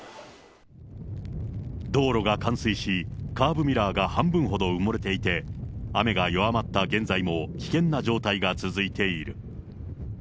道路が冠水し、カーブミラーが半分ほど埋もれていて、雨が弱まった現在も危険な状態が続いている。